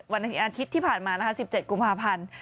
วันอาทิตย์ที่ผ่านมานะคะ๑๗กุมภาพันธ์